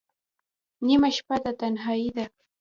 نیمه شپه ده تنهایی ده